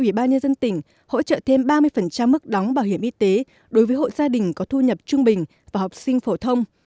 ủy ban nhân dân tỉnh hỗ trợ thêm ba mươi mức đóng bảo hiểm y tế đối với hộ gia đình có thu nhập trung bình và học sinh phổ thông